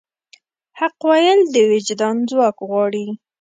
حق ویل د وجدان ځواک غواړي.